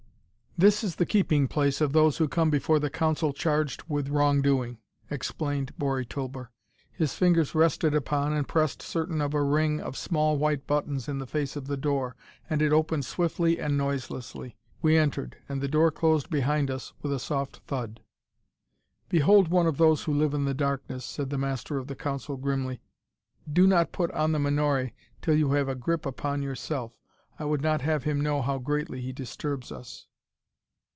"This is the keeping place of those who come before the Council charged with wrong doing," explained Bori Tulber. His fingers rested upon and pressed certain of a ring of small white buttons in the face of the door, and it opened swiftly and noiselessly. We entered, and the door closed behind us with a soft thud. "Behold one of those who live in the darkness," said the Master of the Council grimly. "Do not put on the menore until you have a grip upon yourself: I would not have him know how greatly he disturbs us."